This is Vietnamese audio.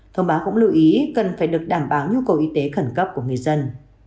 thông báo cũng lưu ý cần phải được đảm bảo nhu cầu y tế khẩn cấp của người dân